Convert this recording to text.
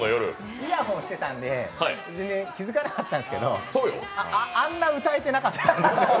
イヤホンしてたんで全然、気づかなかったんですけどあんな歌えてなかった。